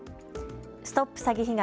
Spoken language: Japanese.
ＳＴＯＰ詐欺被害！